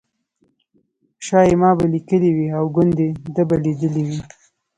شایي ما به لیکلي وي او ګوندې ده به لیدلي وي.